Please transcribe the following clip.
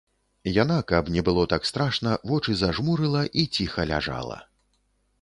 Яна, каб не было так страшна, вочы зажмурыла і ціха ляжала.